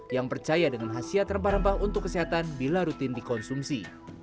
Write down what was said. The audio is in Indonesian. yang percaya dengan hasil rempah rempah untuk kesehatan bila rutin dikonsumsi